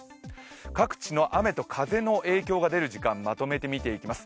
各地の雨と風の影響が出る時間をまとめて見ていきます。